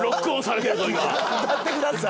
やってください。